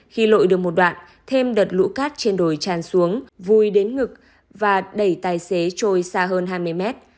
khi lội được một đoạn thêm đợt lũ cát trên đồi tràn xuống vùi đến ngực và đẩy tài xế trôi xa hơn hai mươi mét